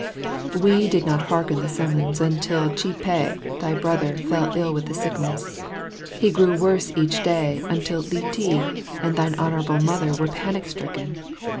We did not hearken to the summons until Chih peh, thy brother, fell ill with the sickness. He grew worse each day, until Li ti and thine Honourable Mother were panic stricken.